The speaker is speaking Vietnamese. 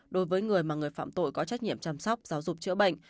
đối với người mà người phạm tội có trách nhiệm chăm sóc giáo dục chữa bệnh